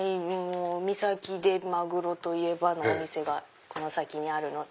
三崎でマグロといえばのお店がこの先にあるので。